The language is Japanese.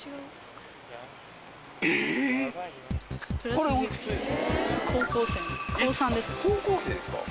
これおいくつですか？